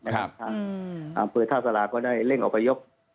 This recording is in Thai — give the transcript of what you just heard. สำหรับปืนท่าสลาก็ได้เร่งออกประยบ